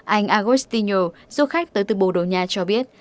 anh agostinho du khách tới từ bồ đô nha cho biết